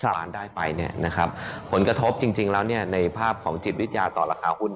ความได้ไปผลกระทบจริงแล้วในภาพของจิตวิทยาต่อราคาหุ้น